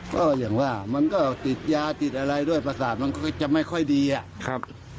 ก็อย่างว่ามันก็ติดยาติดอะไรด้วยประสาทมันก็จะไม่ค่อยดีอะครับ